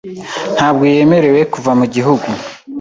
Ntabwo yemerewe kuva mu gihugu .